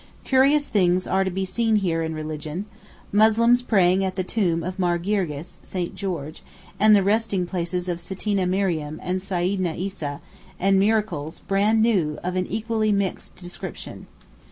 Curious things are to be seen here in religion—Muslims praying at the tomb of Mar Girgis (St. George) and the resting places of Sittina Mariam and Seyidna Issa, and miracles, brand new, of an equally mixed description.